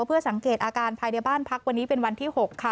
เพื่อสังเกตอาการภายในบ้านพักวันนี้เป็นวันที่๖ค่ะ